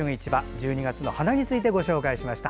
１２月の花についてご紹介しました。